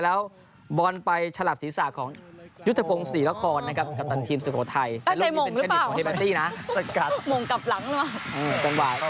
แต่ใจโหมงหรือเปล่าสกัดโหมงกลับหลังแล้วนะครับจังหวะ